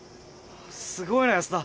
すごいな安田。